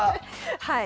はい。